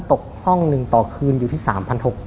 ตกห้อง๑ต่อคืนอยู่ที่๓๖๐๐บาท